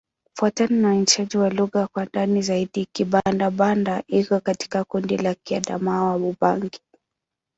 Kufuatana na uainishaji wa lugha kwa ndani zaidi, Kibanda-Banda iko katika kundi la Kiadamawa-Ubangi.